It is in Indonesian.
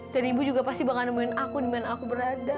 dan ibu juga pasti bakal nemuin aku dimana aku berada